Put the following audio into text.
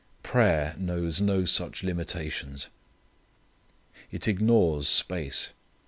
Prayer knows no such limitations. It ignores space.